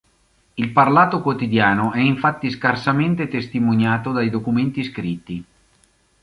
Il parlato quotidiano è infatti scarsamente testimoniato dai documenti scritti.